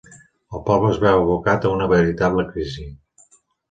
El poble es veu abocat a una veritable crisi.